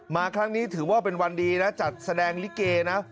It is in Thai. มาครั้งนี้ถือว่าเป็นวันดีนะจัดแสดงลิเกนะ